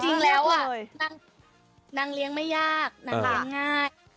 จริงแล้วนางเลี้ยงไม่ยากนางเลี้ยงง่าย